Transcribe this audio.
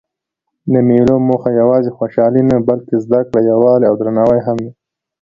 د مېلو موخه یوازي خوشحالي نه؛ بلکې زدکړه، یووالی او درناوی هم دئ.